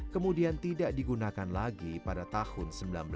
kemudian tidak digunakan lagi pada tahun seribu sembilan ratus sembilan puluh